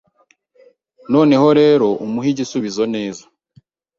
Noneho rero umuhe igisubizo neza